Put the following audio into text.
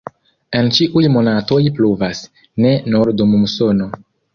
En ĉiuj monatoj pluvas, ne nur dum musono.